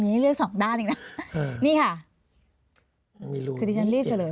นี้เลือกสองด้านเองนะอ่านี่ค่ะน่าวพุทธคือที่ดิฉันเรียบเฉลย